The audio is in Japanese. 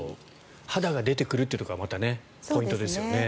肌が出てくるというところがまたポイントですよね。